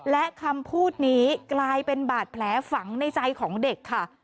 และคำพูดนี้กลายเป็นบาดแผลฝังในใจของเด็กค่ะ